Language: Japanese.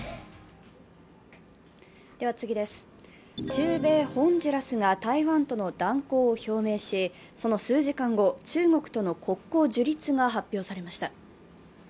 中米ホンジュラスが台湾との断交を表明し、その数時間後、中国との国交樹立が発表されました。